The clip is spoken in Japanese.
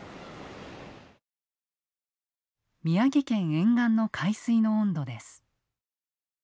宮城県沿岸の海水の温度です。